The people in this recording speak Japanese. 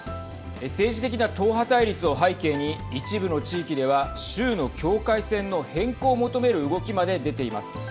政治的な党派対立を背景に一部の地域では州の境界線の変更を求める動きまで出ています。